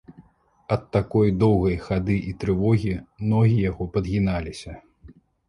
Ад такой доўгай хады і трывогі ногі яго падгіналіся.